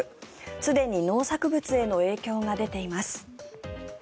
すでに農作物への影響が出ています。